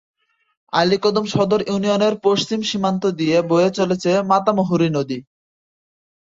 আলীকদম সদর ইউনিয়নের পশ্চিম সীমান্ত দিয়ে বয়ে চলেছে মাতামুহুরী নদী।